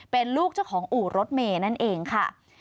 เป็นลูกเจ้าของอู่รถเมย์นั่นเองค่ะ